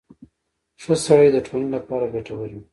• ښه سړی د ټولنې لپاره ګټور وي.